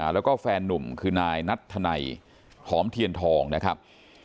แล้วก็แฟนนุ่มคือนายนัทธนัยหอมเทียนทองนะครับ